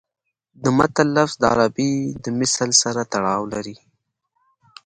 د متل لفظ د عربي د مثل سره تړاو لري